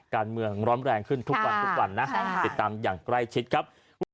การเมื่องร้อนแรงขึ้นทุกวันนะติดตามอย่างใกล้ชิดครับ